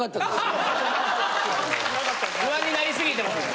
不安になりすぎてます。